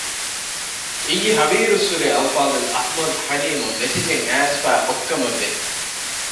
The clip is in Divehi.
އިއްޔެ ހަވީރުއްސުރެ އަލްފާޟިލް އަޙްމަދު ޙަލީމަށް މެސެޖެއް އައިސްފައި އޮތް ކަމަށް ވެ